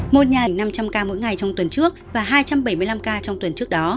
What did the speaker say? môn nhà năm trăm linh ca mỗi ngày trong tuần trước và hai trăm bảy mươi năm ca trong tuần trước đó